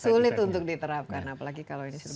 sulit untuk diterapkan apalagi kalau ini sebagai konsesi